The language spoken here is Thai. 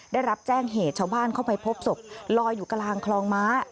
ได้รับแจ้งเหตุชาวบ้านเข้าไปพบศพลอยอยู่กลางคลองม้า